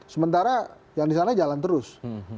sementara yang di sana jalan terus